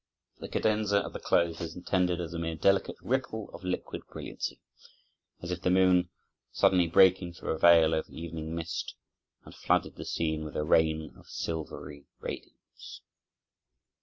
The cadenza at the close is intended as a mere delicate ripple of liquid brilliancy, as if the moon, suddenly breaking through a veil of evening mist, had flooded the scene with a rain of silvery radiance.